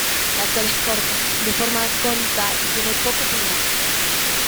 La cola es corta, de forma cónica y tiene poco pelaje.